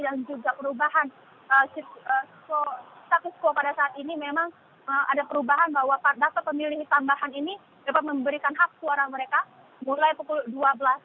dan juga perubahan status quo pada saat ini memang ada perubahan bahwa dasar pemilih tambahan ini dapat memberikan hak suara mereka mulai pukul dua belas